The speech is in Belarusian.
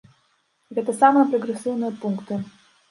Гэта самыя прагрэсіўныя пункты.